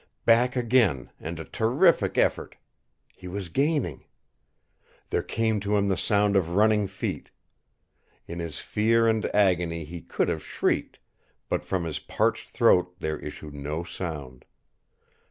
Back again and a terrific effort. He was gaining. There came to him the sound of running feet. In his fear and agony he could have shrieked, but from his parched throat there issued no sound.